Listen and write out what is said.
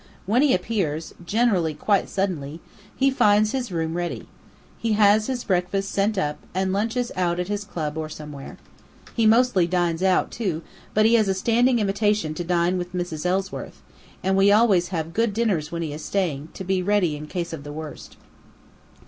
When he appears generally quite suddenly he finds his room ready. He has his breakfast sent up, and lunches out at his club or somewhere. He mostly dines out, too, but he has a standing invitation to dine with Mrs. Ellsworth, and we always have good dinners when he is staying, to be ready in case of the worst."